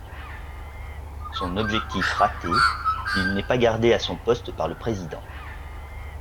Son objectif raté, il n'est pas garder à son poste par le président.